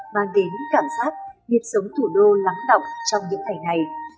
mang đến cảm giác nhiệt sống thủ đô lắng động trong những ngày này